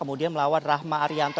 melawan rahma arianto